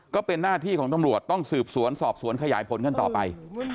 ก็เป็นหน้าที่ของตำรวจต้องสืบสวนสอบสวนขยายผลกันต่อไป